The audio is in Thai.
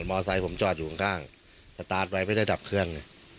อเซผมจอดอยู่ข้างสตาร์ทไว้ไม่ได้ดับเครื่อง